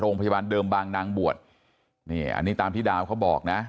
โรงพยาบาลเดิมบางนางบวชนี่อันนี้ตามที่ดาวเขาบอกนะ